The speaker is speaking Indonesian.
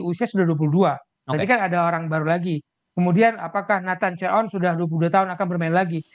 usia sudah dua puluh dua jadi kan ada orang baru lagi kemudian apakah nathan chon sudah dua puluh dua tahun akan bermain lagi